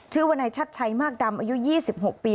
วนายชัดชัยมากดำอายุ๒๖ปี